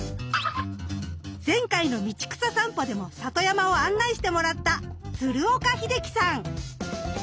前回の道草さんぽでも里山を案内してもらった鶴岡秀樹さん。